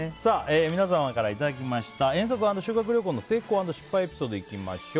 皆様からいただきました遠足＆修学旅行の成功＆失敗エピソードです。